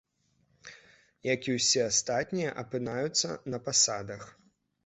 Як і ўсе астатнія апынаюцца на пасадах.